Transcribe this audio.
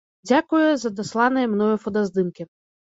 Дзякуе за дасланыя мною фотаздымкі.